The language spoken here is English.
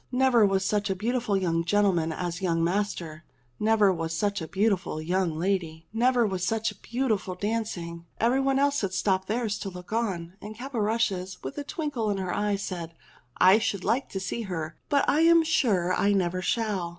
Never was such a beautiful young gentleman as young master ! Never was such a beautiful young lady ! Never was such 304 ENGLISH FAIRY TALES beautiful dancing ! Every one else had stopped theirs to look on. And Caporushes with a twinkle in her eyes said, " I should like to see her ; but I'm sure I never shall